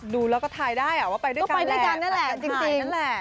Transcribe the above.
ดูแล้วก็ทายได้ว่าไปด้วยกันแหละไปกันขายนั่นแหละ